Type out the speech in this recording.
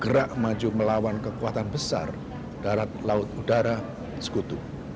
gerak maju melawan kekuatan besar darat laut udara sekutu